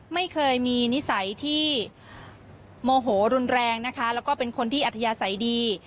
ไม่เคยมีนิสัยที่โมโหรุนแรงนะคะแล้วก็เป็นคนที่อัธยาศัยดี